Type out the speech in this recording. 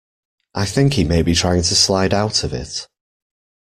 I think he may be trying to slide out of it.